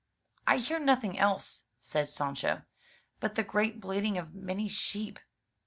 "I hear nothing else,'* said Sancho, *'but the great bleating of many sheep."